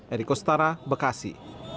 eriko stara bekasi